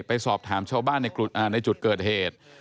ไปสอบถามชาวบ้านในจุดเกิดเหตุ